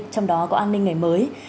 trong đó có an ninh ngày mới